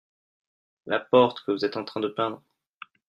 La porte que vous être en train de peindre.